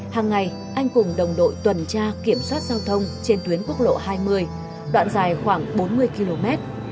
hàng ngày anh cùng đồng đội tuần tra kiểm soát giao thông trên tuyến quốc lộ hai mươi đoạn dài khoảng bốn mươi km